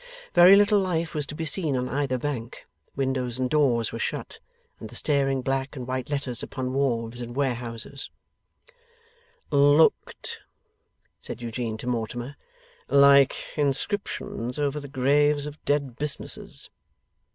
Very little life was to be seen on either bank, windows and doors were shut, and the staring black and white letters upon wharves and warehouses 'looked,' said Eugene to Mortimer, 'like inscriptions over the graves of dead businesses.